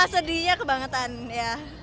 sedihnya kebangetan ya